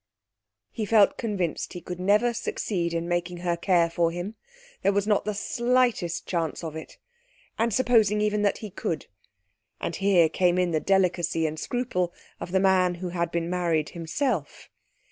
He felt convinced he could never succeed in making her care for him; there was not the slightest chance of it. And, supposing even that he could? And here came in the delicacy and scruple of the man who had been married himself.